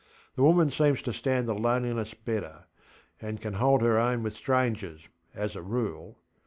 The woman seems to stand the loneliness better, and can hold her own with strangers, as a rule.